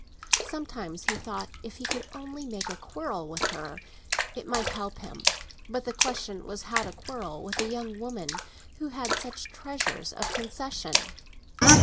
Sometimes he thought that if he could only make a quarrel with her it might help him; but the question was how to quarrel with a young woman who had such treasures of concession.